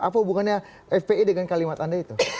apa hubungannya fpi dengan kalimat anda itu